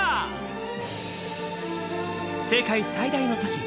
世界最大の都市